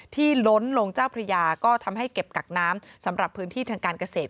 ล้นลงเจ้าพระยาก็ทำให้เก็บกักน้ำสำหรับพื้นที่ทางการเกษตร